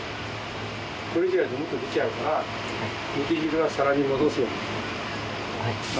これじゃあもっと出ちゃうから肉汁は皿に戻すように。